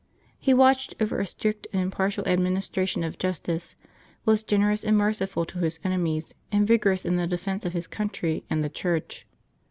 He watched over a strict and impartial administration of justice, was generous and merciful to his enemies, and vigorous in the defence of his country and the Church.